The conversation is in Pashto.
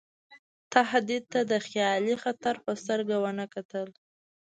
تهدید ته د خیالي خطر په سترګه ونه کتل.